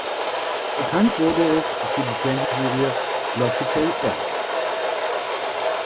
Bekannt wurde es für die Fernsehserie "Schlosshotel Orth".